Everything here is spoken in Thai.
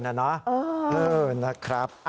เออนะครับ